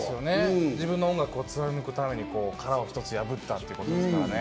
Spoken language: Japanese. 自分の音楽を貫くために殻を一つ破ったってことですからね。